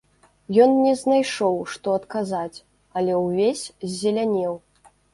Ён не знайшоў, што адказаць, але ўвесь ззелянеў.